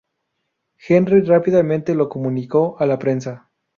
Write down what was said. Henry rápidamente lo comunicó a la prensa.